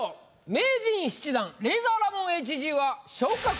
名人７段レイザーラモンＨＧは。